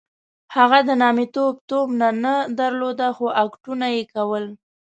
هغه د نامیتوب تومنه نه درلوده خو اکټونه یې کول.